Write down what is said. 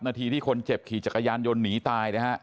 นาทีที่คนเจ็บขี่จักรยานยนต์หนีตายนะฮะ